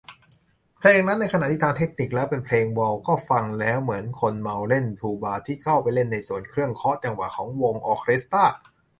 เพลงนั้น ในขณะที่ทางเทคนิคแล้วเป็นเพลงวอลทซ์ ก็ฟังแล้วเหมือนคนเมาเล่นทูบาที่เข้าไปเล่นในส่วนเครื่องเคาะจังหวะของวงออร์เคสตร้า